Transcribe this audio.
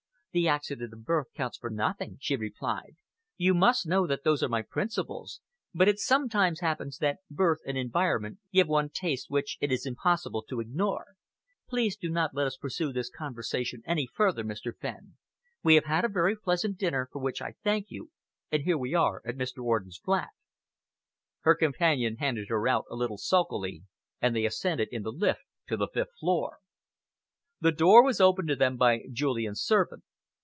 "The accident of birth counts for nothing," she replied, "you must know that those are my principles but it sometimes happens that birth and environment give one tastes which it is impossible to ignore. Please do not let us pursue this conversation any further, Mr. Fenn. We have had a very pleasant dinner, for which I thank you and here we are at Mr. Orden's flat." Her companion handed her out a little sulkily, and they ascended in the lift to the fifth floor. The door was opened to them by Julian's servant.